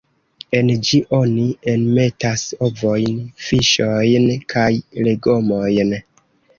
En ĝi oni enmetas ovojn, fiŝojn kaj legomojn.